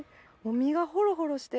身がほろほろして。